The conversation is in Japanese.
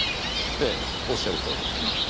ええおっしゃるとおり。